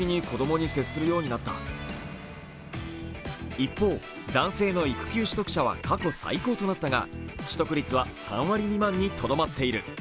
一方、男性の育休取得者は過去最高となったが、取得率は３割未満にとどまっている。